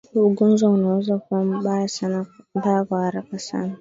ugonjwa unaweza kuwa mbaya kwa haraka sana